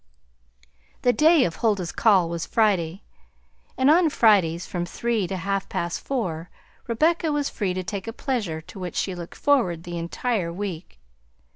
The day of Huldah's call was Friday, and on Fridays from three to half past four Rebecca was free to take a pleasure to which she looked forward the entire week.